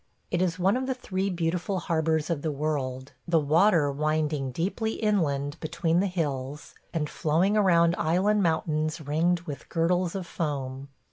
It is one of the three beautiful harbors of the world, the water winding deeply inland between the hills, and flowing around island mountains ringed with girdles of foam.